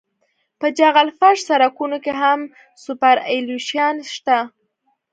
په جغل فرش سرکونو کې هم سوپرایلیویشن شته